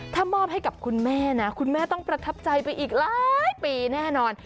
ถ้ามอบให้กับคุณแม่นะคุณแม่ต้องประทับใจไปอีกหลายปีแน่นอน